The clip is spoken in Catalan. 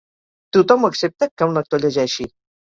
Tothom ho accepta, que un lector llegeixi.